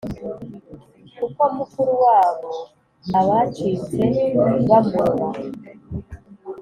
Kuko mukuru wabo Abacitse bamurora!